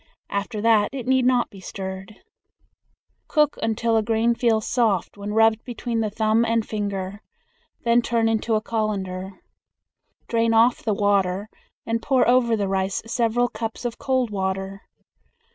After that it need not be stirred. Cook until a grain feels soft when rubbed between the thumb and finger, then turn into a colander. Drain off the water and pour over the rice several cups of cold water.